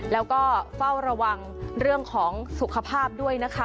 แล้วก็เฝ้าระวังเรื่องของสุขภาพด้วยนะคะ